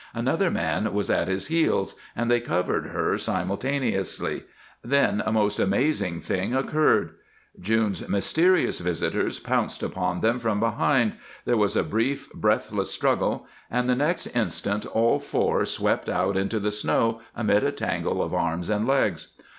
Another man was at his heels, and they covered her simultaneously. Then a most amazing thing occurred. June's mysterious visitors pounced upon them from behind, there was a brief, breathless struggle, and the next instant all four swept out into the snow amid a tangle of arms and legs.